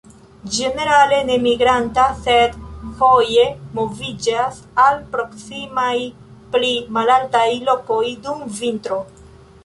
Ĝenerale ne migranta, sed foje moviĝas al proksimaj pli malaltaj lokoj dum vintro.